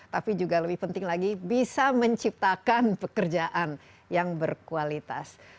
tapi juga lebih penting lagi bisa menciptakan pekerjaan yang berkualitas